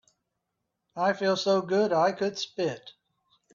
I feel so good I could spit.